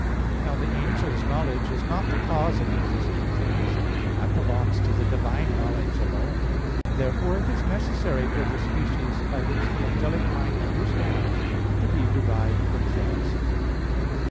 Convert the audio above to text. Now the angel's knowledge is not the cause of existing things; that belongs to the Divine knowledge alone. Therefore it is necessary for the species, by which the angelic mind understands, to be derived from things.